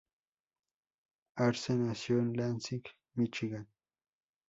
Arce nació en Lansing, Míchigan.